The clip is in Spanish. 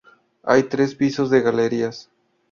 Hay tres pisos de galerías.